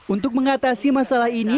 untuk mengatasi masalah ini